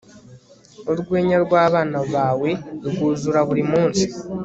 urwenya rwabana bawe rwuzura buri munsi